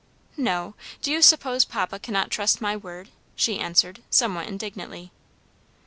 "No; do you suppose papa cannot trust my word?" she answered, somewhat indignantly.